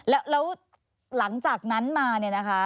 แล้วหลังจากนั้นมานะคะ